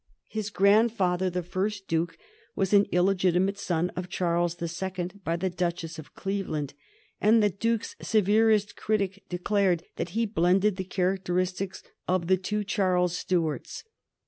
His grandfather, the first Duke, was an illegitimate son of Charles the Second by the Duchess of Cleveland, and the Duke's severest critic declared that he blended the characteristics of the two Charles Stuarts.